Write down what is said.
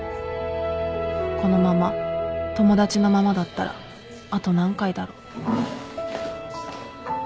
このまま友達のままだったらあと何回だろう